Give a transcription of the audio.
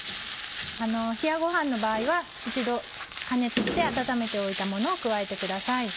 冷やご飯の場合は一度加熱して温めておいたものを加えてください。